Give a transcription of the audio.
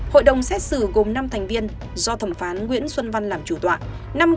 hội đồng xét xử gồm năm thành viên do thẩm phán nguyễn xuân văn làm chủ tọa